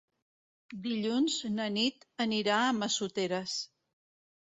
Dilluns na Nit anirà a Massoteres.